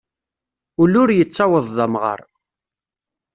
Ul ur yettaweḍ d amɣar.